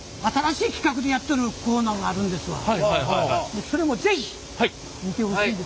今それも是非見てほしいんです。